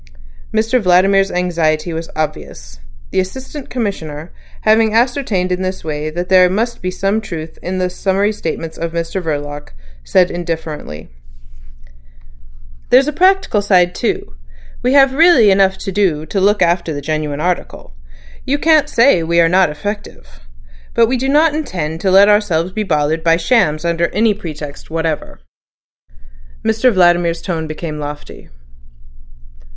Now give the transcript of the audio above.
Mr Vladimir's anxiety was obvious. The Assistant Commissioner having ascertained in this way that there must be some truth in the summary statements of Mr Verloc, said indifferently: "There's a practical side too. We have really enough to do to look after the genuine article. You can't say we are not effective. But we don't intend to let ourselves be bothered by shams under any pretext whatever." Mr Vladimir's tone became lofty.